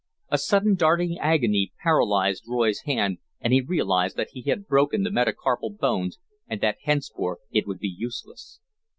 A sudden darting agony paralyzed Roy's hand, and he realized that he had broken the metacarpal bones and that henceforth it would be useless.